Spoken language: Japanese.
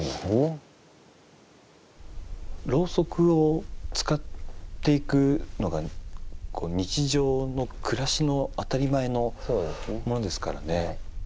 ろうそくを使っていくのが日常の暮らしの当たり前のものですからね。